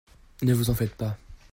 Ne vous en faites pas !